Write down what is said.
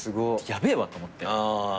ヤベえわと思って。